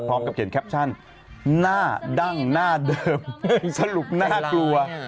พร้อมกับเขียนแคปชั่นหน้าดั้งหน้าเดิมสรุปน่ากลัว